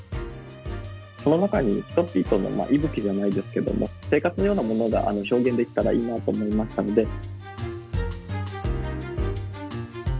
その中に人々の息吹じゃないですけども生活のようなものが表現できたらいいなと思いましたので。